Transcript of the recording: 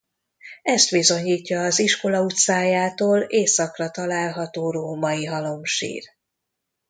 Ezt bizonyítja az iskola utcájától északra található római halomsír.